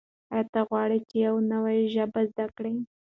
آیا ته غواړې چې یو نوی ژبه زده کړې؟